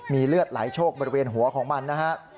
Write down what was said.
มีเลือดไหลโชคบริเวณหัวของมันนะฮะ